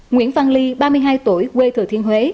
nguyễn văn ly ba mươi hai tuổi quê thừa thiên huế